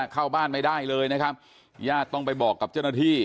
เข้าบ้านไม่ได้เลยนะครับญาติต้องไปบอกกับเจ้าหน้าที่